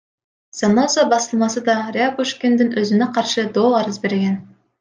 Заноза басылмасы да Рябушкиндин өзүнө каршы доо арыз берген.